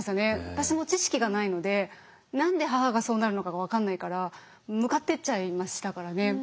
私も知識がないので何で母がそうなるのかが分かんないから向かっていっちゃいましたからね。